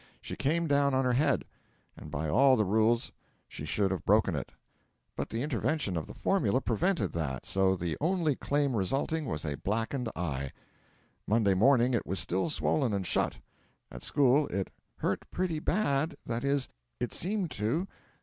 She came down on her head, and by all the rules she should have broken it; but the intervention of the formula prevented that, so the only claim resulting was a blackened eye. Monday morning it was still swollen and shut. At school 'it hurt pretty bad that is, it seemed to.'